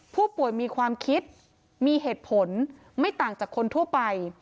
ผู้ป่วยมีความคิดมีเหตุผลไม่ต่างจากคนทั่วไป